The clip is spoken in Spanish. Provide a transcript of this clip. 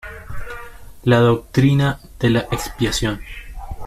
La doctrina de la expiación.